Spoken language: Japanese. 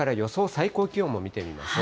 最高気温も見てみましょう。